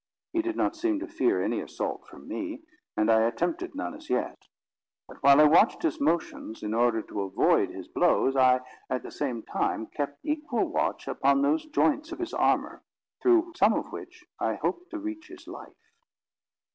He did not seem to fear any assault from me, and I attempted none as yet; but while I watched his motions in order to avoid his blows, I, at the same time, kept equal watch upon those joints of his armour, through some one of which I hoped to reach his life.